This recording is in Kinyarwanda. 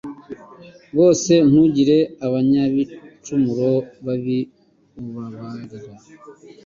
bose Ntugire abanyabicumuro babi ubabarira